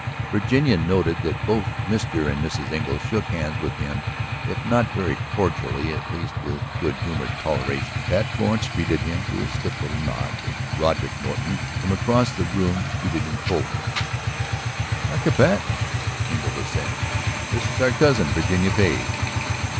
Virginia noted that both Mr. and Mrs. Engle shook hands with him if not very cordially at least with good humored toleration; that Florence treated him to a stiff little nod; that Roderick Norton from across the room greeted him coolly. "Dr. Patten," Engle was saying, "this is our cousin, Virginia Page."